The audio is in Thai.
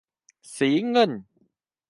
สีเงิน